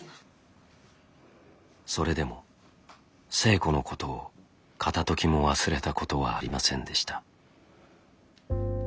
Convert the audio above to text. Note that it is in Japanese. それでも星子のことを片ときも忘れたことはありませんでした。